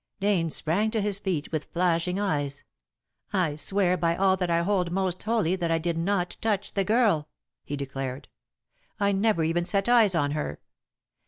Dane sprang to his feet with flashing eyes. "I swear by all that I hold most holy that I did not touch the girl," he declared. "I never even set eyes on her.